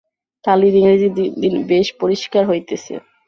কালীর ইংরেজী দিন দিন বেশ পরিষ্কার হইতেছে।